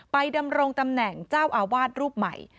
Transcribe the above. ดำรงตำแหน่งเจ้าอาวาสรูปใหม่